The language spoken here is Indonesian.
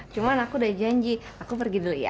cuma aku udah janji aku pergi dulu ya